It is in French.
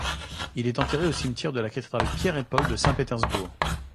Il est enterré au cimetière de la Cathédrale Pierre-et-Paul de Saint-Pétersbourg.